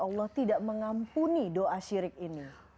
allah tidak mengampuni doa syirik ini